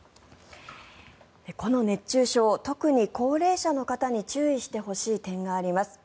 この熱中症、特に高齢者の方に注意してほしい点があります。